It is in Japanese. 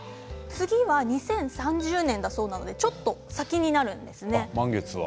次は２０３０年だそうなのでちょっと先になります。